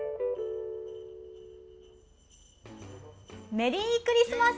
メリークリスマス